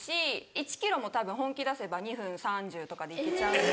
１ｋｍもたぶん本気出せば２分３０とかで行けちゃうんで。